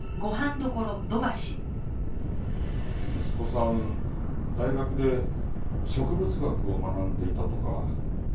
息子さん大学で植物学を学んでいたとか。